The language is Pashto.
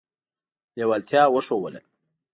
لېوالتیا وښودله.